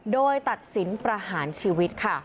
โดยตัดสินประหารชีวิตค่ะ